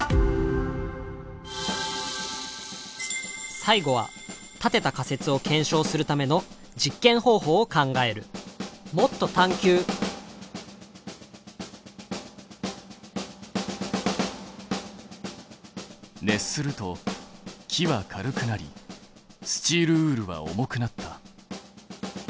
最後は立てた仮説を検証するための実験方法を考える熱すると木は軽くなりスチールウールは重くなった。